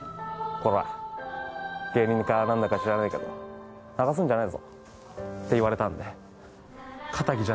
「コラ芸人かなんだか知らねえけど泣かすんじゃねえぞ」って言われたんで。